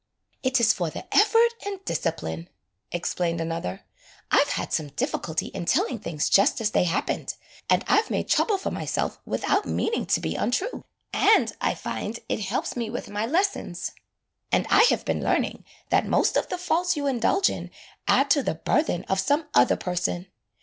"It is for the effort and discipline," explained another. "I 've had some difficulty in telling things just as they happened, and I 've made trouble for myself without meaning to be untrue. And I find it helps me with my lessons." "And I have been learning that most of the faults you indulge in add to the burthen of some other person.